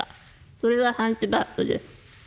それがハンチバックです。